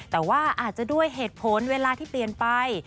แต่ว่าอาจจะด้วยเหตุผลเวลาที่เปลี่ยนไป